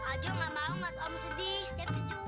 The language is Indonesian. ajo gak mau makasih om sedih